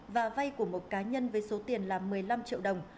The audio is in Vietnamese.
và vay của một cá nhân với số tiền là một mươi năm triệu đồng